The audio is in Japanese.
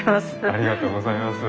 ありがとうございます。